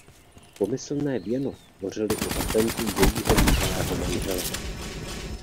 Pomyslné věno tvořily i patenty jejího bývalého manžela.